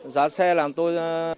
giá xe làm tôi